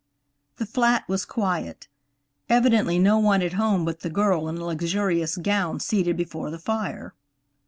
The flat was quiet; evidently no one at home but the girl in a luxurious gown seated before the fire.